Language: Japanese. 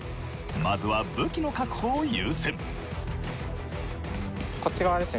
まずは武器の確保を優先。